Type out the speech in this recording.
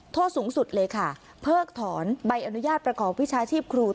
โทษสูงสุดเลยค่ะเพิกถอนใบอนุญาตประกอบวิชาชีพครู